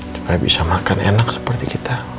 supaya bisa makan enak seperti kita